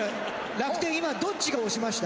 楽天今どっちが押しました？